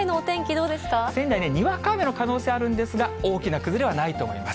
どうで仙台ね、にわか雨の可能性あるんですが、大きな崩れはないと思います。